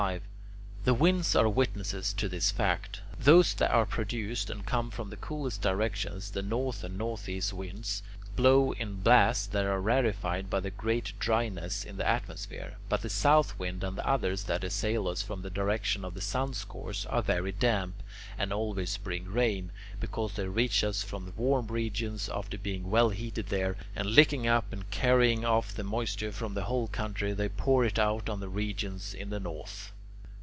The winds are witnesses to this fact. Those that are produced and come from the coolest directions, the north and northeast winds, blow in blasts that are rarefied by the great dryness in the atmosphere, but the south wind and the others that assail us from the direction of the sun's course are very damp, and always bring rain, because they reach us from warm regions after being well heated there, and licking up and carrying off the moisture from the whole country, they pour it out on the regions in the north.